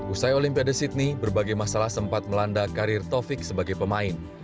usai olimpiade sydney berbagai masalah sempat melanda karir taufik sebagai pemain